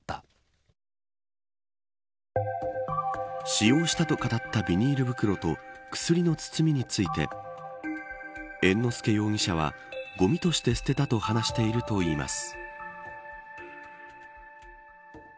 使用したと語ったビニール袋と薬の包みについて猿之助容疑者はごみとして捨てたと話しているといいます。